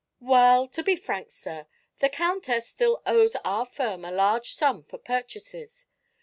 "Well, to be frank, sir, the countess still owes our firm a large sum for purchases.